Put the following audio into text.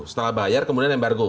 setelah bayar kemudian embargo